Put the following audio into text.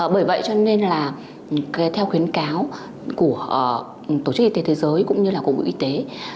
bởi vậy theo khuyến cáo của tổ chức y tế thế giới cũng như cộng vụ y tế